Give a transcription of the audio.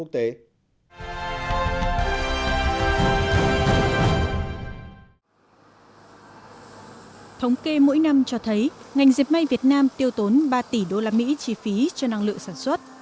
tiêu tốn ba tỷ usd chi phí cho năng lượng sản xuất